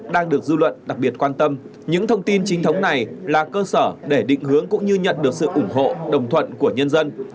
đang được dư luận đặc biệt quan tâm những thông tin chính thống này là cơ sở để định hướng cũng như nhận được sự ủng hộ đồng thuận của nhân dân